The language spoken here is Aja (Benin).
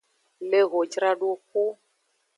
Le hojradoxu.